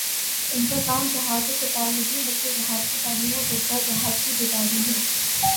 ان کا کام جہاد و قتال نہیں، بلکہ جہادکی تعلیم اور جذبۂ جہاد کی بیداری ہے